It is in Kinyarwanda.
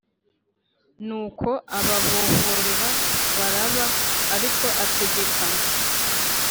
Nuko ababohorera Baraba ariko ategeka